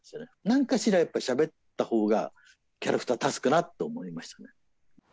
なんかしら、やっぱりしゃべった方がキャラクターが立つかなと思いましたね。